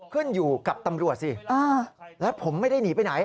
ขึ้นอยู่กับตำรวจสิและผมไม่ได้หนีไปไหน